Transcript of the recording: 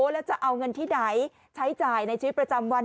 แล้วจะเอาเงินที่ไหนใช้จ่ายในชีวิตประจำวัน